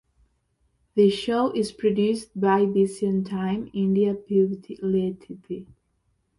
The show is produced by Vision Time India Pvt Ltd.